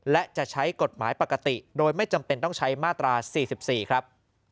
และจะใช้กฎหมายปกติโดยไม่จำเป็นต้องใช้มาตรา๔๔ครับ